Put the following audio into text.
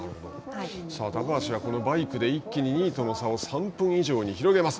さあ、高橋はバイクで一気に２位との差を３分以上に広げます。